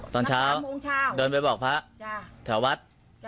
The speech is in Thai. ตอนเช้าเดินไปบอกพระแถววัด